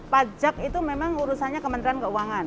pajak itu memang urusannya kementerian keuangan